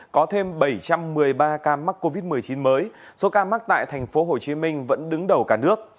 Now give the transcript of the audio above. có thêm bảy trăm một mươi ba ca mắc covid một mươi chín mới số ca mắc tại tp hcm vẫn đứng đầu cả nước